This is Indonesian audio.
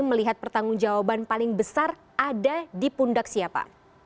melihat pertanggung jawaban paling besar ada di pundak siapa